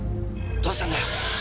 どうしたんだよ？